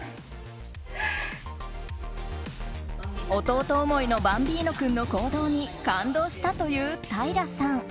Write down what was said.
弟思いのバンビーノ君の行動に感動したという平さん。